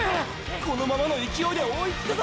このままの勢いで追いつくぞ！！